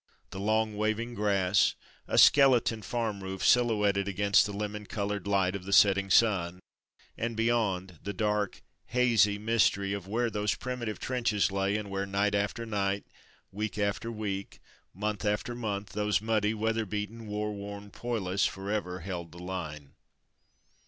The long waving grass, a skeleton farm roof silhouetted against the lemon coloured light of the setting sun, and beyond, the dark, hazy mystery of where those primitive trenches lay, and where, night after night, week after week, month after month, those muddy, weather beaten, war worn poilus for ever "held the line."